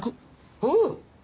うん。